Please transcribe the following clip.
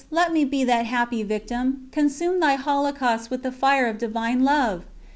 Let me be that happy victim consume Thy holocaust with the Fire of Divine Love!"